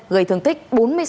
gây thương tích bốn mươi sáu